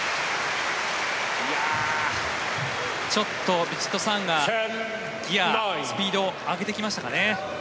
ちょっとヴィチットサーンがギア、スピードを上げてきましたかね。